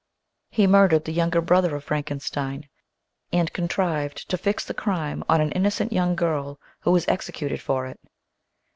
He murdered the younger brother of Frankenstein and contrived to fix the crime on an innocent young girl who was executed for it.